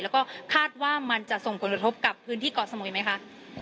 แล้วก็คาดว่ามันจะส่งผลกระทบกับพื้นที่เกาะสมุยไหมคะ